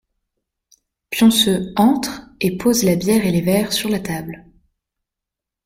Pionceux entre et pose la bière et les verres sur la table.